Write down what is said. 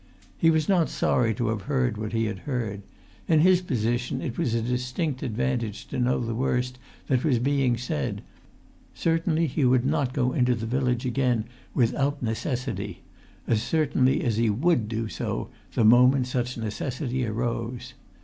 He was not sorry to have heard what he had heard: in his position it was a distinct advantage to know the worst that was being said. Certainly he would not go into the village again without necessity—as certainly as he would do so the moment such necessity arose.